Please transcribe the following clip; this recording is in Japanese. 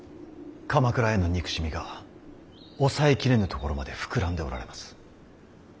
鎌倉への憎しみが抑え切れぬところまで膨らんでおられます。